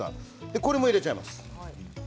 これも入れちゃいます。